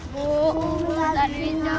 bu minta duitnya